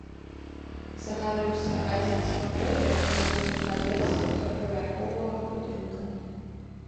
Загарэўся адзін з пакояў на другім паверсе трохпавярховага будынка.